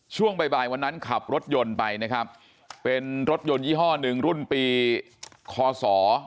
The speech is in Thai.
ช่วงบ่ายบ่ายวันนั้นขับรถยนต์ไปนะครับเป็นรถยนต์ยี่ห้อหนึ่งรุ่นปีคอสอ